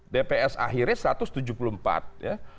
dps akhirnya satu ratus tujuh puluh empat ya